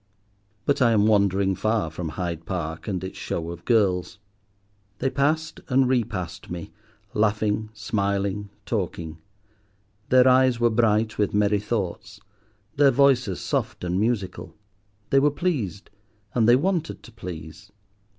But I am wandering far from Hyde Park and its show of girls. They passed and re passed me, laughing, smiling, talking. Their eyes were bright with merry thoughts; their voices soft and musical. They were pleased, and they wanted to please.